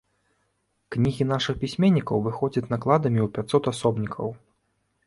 Кнігі нашых пісьменнікаў выходзяць накладамі ў пяцьсот асобнікаў.